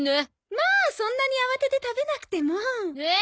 まあそんなに慌てて食べなくても。え！